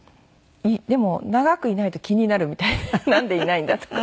でも長くいないと気になるみたいで「なんでいないんだ？」とか。